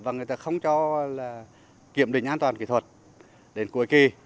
và người ta không cho kiểm định an toàn kỹ thuật đến cuối kỳ